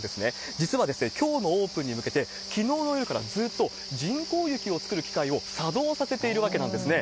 実はですね、きょうのオープンに向けて、きのうの夜からずっと人工雪を作る機械を作動させているわけなんですね。